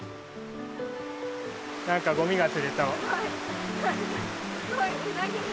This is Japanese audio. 何かゴミが釣れた。